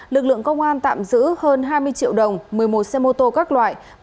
lực lượng công an tạm giữ hơn hai mươi triệu đồng một mươi một xe mô tô các loại